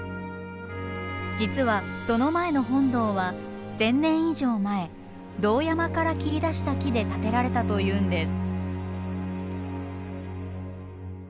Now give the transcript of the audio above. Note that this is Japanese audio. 実はその前の本堂は千年以上前堂山から切り出した木で建てられたというんです。